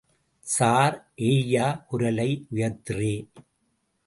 Sir ஏய்யா, குரலை உயர்த்துறே?